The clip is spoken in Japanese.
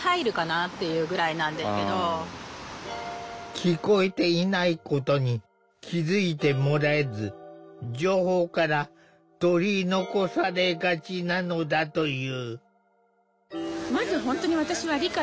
聞こえていないことに気付いてもらえず情報から取り残されがちなのだという。